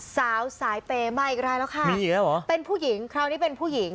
สาวสายเปย์ไม่อะไรแล้วค่ะมีเยอะหรอเป็นผู้หญิงคราวนี้เป็นผู้หญิง